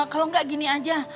kalau nggak gini aja